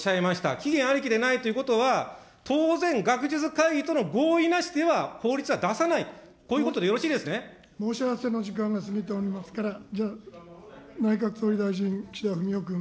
期限ありきではないということは、当然、学術会議との合意なしでは法律は出さないと、こういうことでよろ申し合わせの時間が過ぎておりますから、じゃあ、内閣総理大臣、岸田文雄君。